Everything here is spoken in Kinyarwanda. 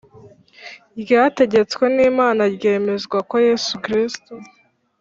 ryategetswe n Imana ryemezwa ko Yesu Kristo